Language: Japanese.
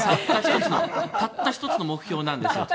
たった１つの目標なんです。